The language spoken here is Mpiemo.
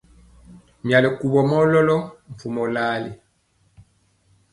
Myali kuvɔ mɔ lɔlɔ mpumɔ lali.